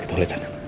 kita ke sana pak